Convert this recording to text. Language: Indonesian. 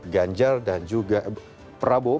ganjar dan juga prabowo